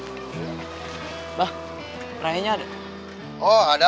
makasih pernah gak kalau bernama aku yang mematikan siop